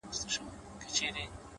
لوړ همت ناامیدي شاته پرېږدي.!